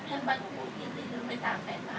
แม่บ้านก็โม้นกินเลยเจอไปจัดแฟนน้ำ